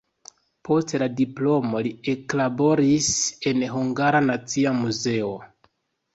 Post la diplomo li eklaboris en Hungara Nacia Muzeo.